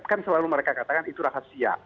kan selalu mereka katakan itu rahasia